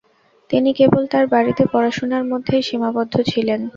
তিনি কেবল তার বাড়িতে পড়াশোনার মধ্যেই সীমাবদ্ধ ছিলেন।